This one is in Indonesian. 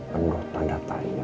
menurut tanda tayang